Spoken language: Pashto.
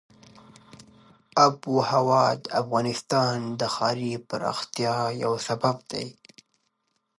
آب وهوا د افغانستان د ښاري پراختیا یو سبب دی.